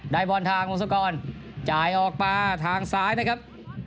บอลทางวงศกรจ่ายออกมาทางซ้ายนะครับ